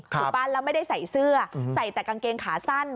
ป่ะแล้วไม่ได้ใส่เสื้อใส่แต่กางเกงขาสั้น